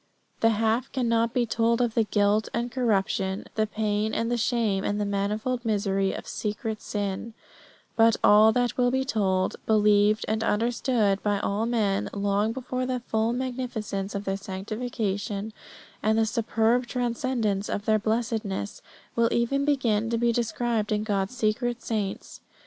The half cannot be told of the guilt and the corruption, the pain and the shame and the manifold misery of secret sin; but all that will be told, believed, and understood by all men long before the full magnificence of their sanctification, and the superb transcendence of their blessedness, will even begin to be described to God's secret saints.